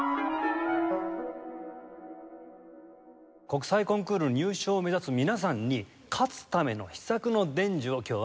国際コンクール入賞を目指す皆さんに勝つための秘策の伝授を今日はお願い致します。